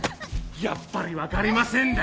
やっぱり分かりませんだ？